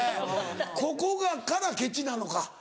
ここからケチなのか。